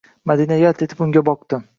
Madina yalt etib unga boqdi